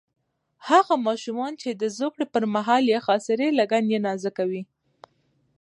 هغه ماشومان چې د زوکړې پر مهال یې خاصرې لګن یې نازک وي.